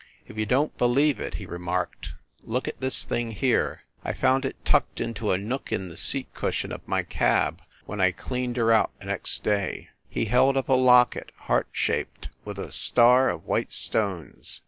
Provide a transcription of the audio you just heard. "If you don t believe it," he re marked, "look at this here thing! I found it tucked into a nook in the seat cushion of my cab, when I cleaned her out the next day." He held up a locket heart shaped, with a star of white stones.